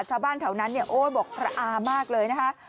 ชาวบ้านแถวนั้นเนี่ยโอ้ยบอกพระอามากเลยนะคะ